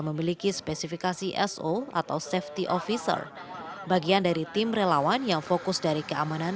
memiliki spesifikasi so atau safety officer bagian dari tim relawan yang fokus dari keamanan